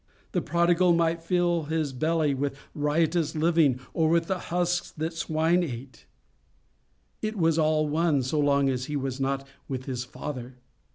The prodigal might fill his belly with riotous living or with the husks that the swine ate. It was all one, so long as he was not with his father.